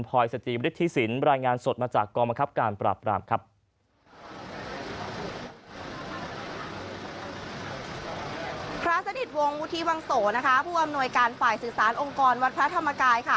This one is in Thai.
พรศนิษฐ์วงวุฒีวังโสผู้อำนวยการฝ่ายสื่อสารองค์กรวัตรพระธรรมกาย